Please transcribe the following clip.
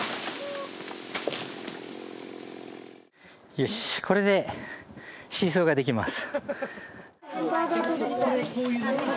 よしこれでシーソーができます。